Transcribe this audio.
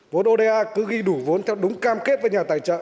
vốn oda cứ ghi đủ vốn theo đúng cam kết với nhà tài trợ